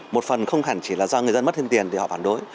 một phần không hẳn chỉ là do người dân mất thêm tiền thì họ phản đối